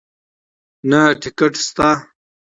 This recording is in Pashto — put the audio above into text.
نه ټکټ شته